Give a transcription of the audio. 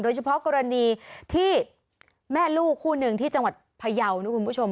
เฉพาะกรณีที่แม่ลูกคู่หนึ่งที่จังหวัดพยาวนะคุณผู้ชม